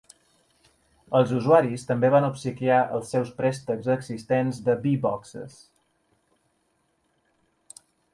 Els usuaris també van obsequiar els seus préstecs existents de Be-Boxes.